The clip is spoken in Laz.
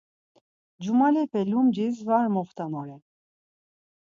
Cumalepe lumcis var moxtanoren.